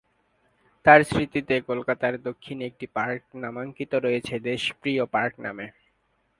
তাঁর স্মৃতিতে কলকাতার দক্ষিণে একটি পার্ক নামাঙ্কিত রয়েছে 'দেশপ্রিয় পার্ক' নামে।